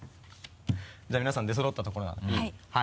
じゃあ皆さん出そろった所なのではい。